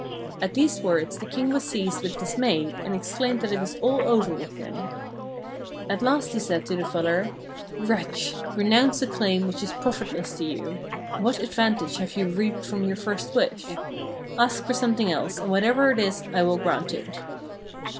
At these words the king was seized with dismay and exclaimed that it was all over with him. At last he said to the fuller: 'Wretch! renounce a claim which is profitless to you. What advantage have 5" ARABIA you reaped from your first wish? Ask for something else, and whatever it is, I will grant it.'